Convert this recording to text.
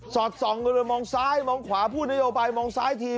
อดส่องกันเลยมองซ้ายมองขวาพูดนโยบายมองซ้ายที